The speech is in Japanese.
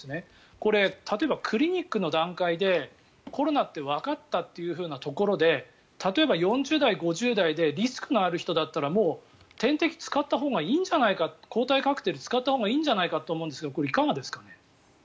これ、例えばクリニックの段階でコロナってわかったところで例えば４０代、５０代でリスクのある人だったらもう点滴使ったほうがいいんじゃないか抗体カクテル使ったほうがいいんじゃないかって思うんですがこれ、いかがですかね。